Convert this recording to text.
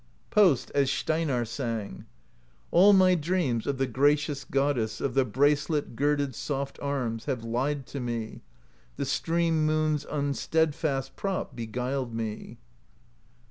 Post, as Steinarr sang: All my dreams of the gracious Goddess Of the bracelet girded soft arms Have lied to me; the Stream Moon's Unsteadfast Prop beguiled me.